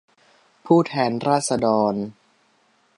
ผู้แทนราษฎร